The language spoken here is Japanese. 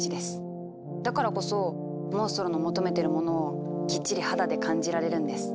だからこそモンストロの求めてるものをきっちり肌で感じられるんです。